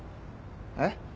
えっ？